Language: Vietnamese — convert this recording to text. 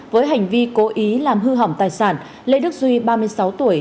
với hành vi cố ý làm hư hỏng tài sản lê đức duy ba mươi sáu tuổi